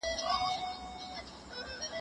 شاعر خپل احساس د لغتونو په واسطه بیانوي.